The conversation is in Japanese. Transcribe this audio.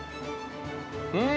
◆うん！